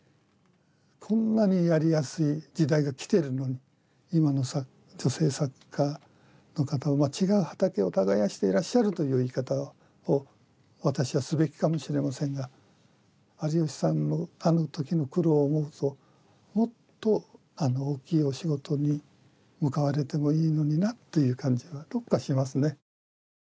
こんなにやりやすい時代が来てるのに今の女性作家の方は違う畑を耕していらっしゃるという言い方を私はすべきかもしれませんが有吉さんのあの時の苦労を思うともっと大きいお仕事に向かわれてもいいのになという感じはどっかしますね。